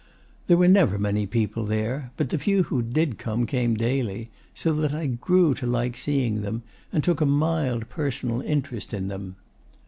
There were never many people there; but the few who did come came daily, so that I grew to like seeing them and took a mild personal interest in them.